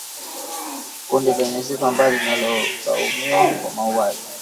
kundi lenye sifa mbaya linalolaumiwa kwa mauaji